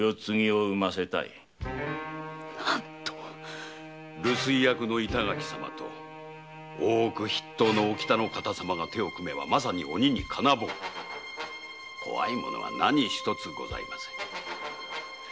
何と留守居役の板垣様と大奥筆頭のお喜多の方様が手を組めばまさに「鬼に金棒」怖いものは何一つございませぬ。